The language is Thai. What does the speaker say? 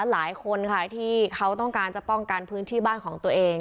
หลายคนค่ะที่เขาต้องการจะป้องกันพื้นที่บ้านของตัวเอง